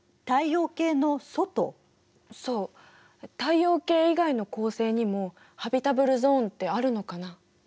そう太陽系以外の恒星にもハビタブルゾーンってあるのかな？